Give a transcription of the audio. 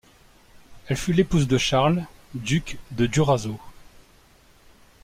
Elle fut l'épouse de Charles, duc de Durazzo.